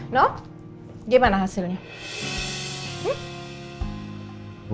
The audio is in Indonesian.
noh gimana hasilnya